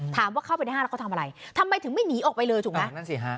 ถามว่าเข้าไปในห้างแล้วเขาทำอะไรทำไมถึงไม่หนีออกไปเลยถูกไหม